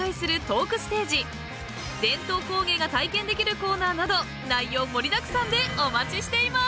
［伝統工芸が体験できるコーナーなど内容盛りだくさんでお待ちしています！］